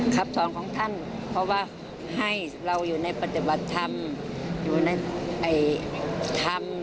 คำสอนของท่านเพราะว่าให้เราอยู่ในปฏิบัติธรรม